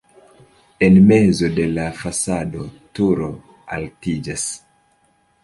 En mezo de la fasado turo altiĝas.